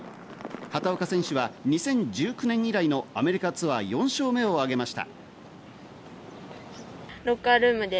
畑岡選手は２０１９年以来のアメリカツアー４勝目を挙げました。